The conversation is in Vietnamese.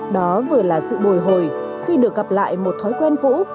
đó vừa là sự bồi hồi khi được gặp lại một thói quen cũ